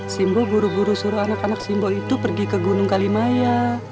simbo buru buru suruh anak anak simbo itu pergi ke gunung kalimaya